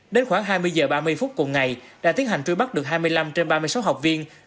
đến khoảng hai mươi h ba mươi phút cùng ngày đã tiến hành truy bắt được hai mươi năm trên ba mươi sáu học viên